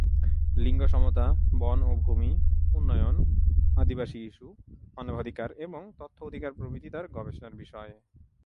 লিঙ্গ-সমতা, বন ও ভূমি, উন্নয়ন, আদিবাসী ইস্যু, মানবাধিকার এবং তথ্য অধিকার প্রভৃতি তার গবেষণার বিষয়।